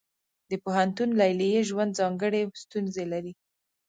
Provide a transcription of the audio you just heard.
د پوهنتون لیلیې ژوند ځانګړې ستونزې لري.